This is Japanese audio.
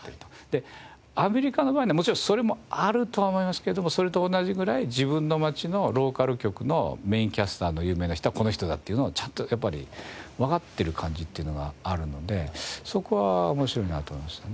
でアメリカの場合にはもちろんそれもあるとは思いますけどもそれと同じぐらい自分の町のローカル局のメインキャスターの有名な人はこの人だっていうのをちゃんとやっぱりわかってる感じっていうのがあるのでそこは面白いなと思いましたね。